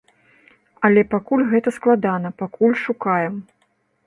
Але пакуль гэта складана, пакуль шукаем.